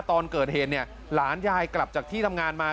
ตอนเกิดเหตุเนี่ยหลานยายกลับจากที่ทำงานมา